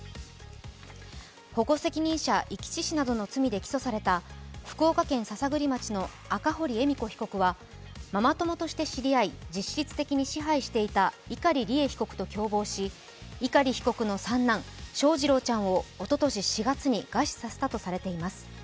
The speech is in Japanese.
保護責任者遺棄致死などの罪で起訴された福岡県篠栗町の赤堀恵美子被告はママ友として知り合い、実質的に支配していた碇利恵被告と共謀し、碇被告の三男、翔士郎ちゃんをおととし４月に餓死させたとされています。